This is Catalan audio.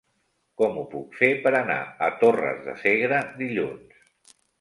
Com ho puc fer per anar a Torres de Segre dilluns?